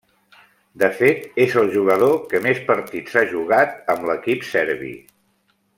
De fet, és el jugador que més partits ha jugat amb l'equip serbi.